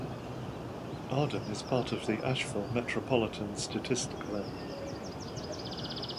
Arden is part of the Asheville Metropolitan Statistical Area.